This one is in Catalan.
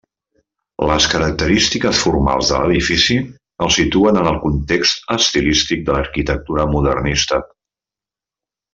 Les característiques formals de l'edifici el situen en el context estilístic de l'arquitectura modernista.